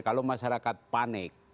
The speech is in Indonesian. kalau masyarakat panik